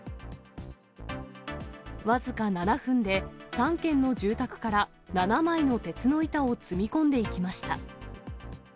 僅か７分で、３軒の住宅から７枚の鉄の板を積み込んでいきました。